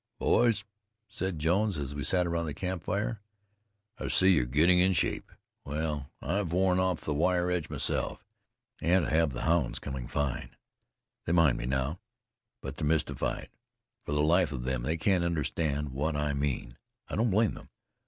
"Boys," said Jones, as we sat round the campfire, "I see you're getting in shape. Well, I've worn off the wire edge myself. And I have the hounds coming fine. They mind me now, but they're mystified. For the life of them they can't understand what I mean. I don't blame them.